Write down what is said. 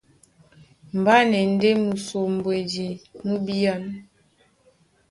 Mbá na e ndé musombwedi nú bíán.